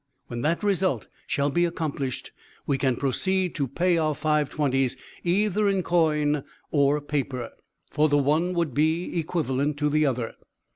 When that result shall be accomplished, we can proceed to pay our Five twenties either in coin or paper, for the one would be equivalent to the other.